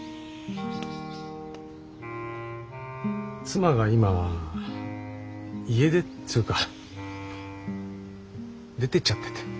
妻が今家出っつうか出ていっちゃってて。